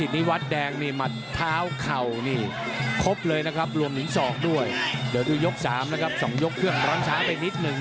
แต่ว่าไอ้เจ้าเริงนี่ต่อแบบลื่นเริง